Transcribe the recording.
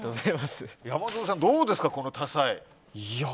山添さん、どうですかこの多才。